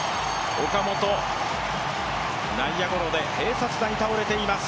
岡本、内野ゴロで併殺打に倒れています。